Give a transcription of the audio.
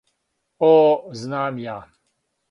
О, знам ја.